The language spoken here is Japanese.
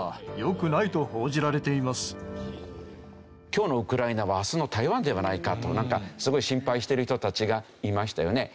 今日のウクライナは明日の台湾ではないかとすごい心配してる人たちがいましたよね。